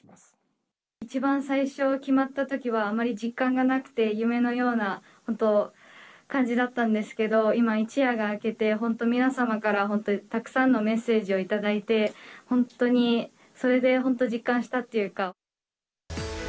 一番最初、決まったときはあまり実感がなくて、夢のような本当、感じだったんですけど、今、一夜が明けて、本当、皆様から本当、たくさんのメッセージを頂いて、本当に、それで本当実感したっていうか。